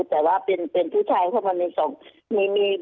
หรือว่าเป็นผู้ชายเพราะมันมีสอง